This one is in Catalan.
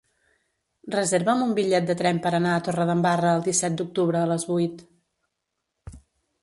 Reserva'm un bitllet de tren per anar a Torredembarra el disset d'octubre a les vuit.